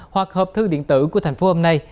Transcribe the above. hoặc hợp thư điện tử của thành phố hôm nay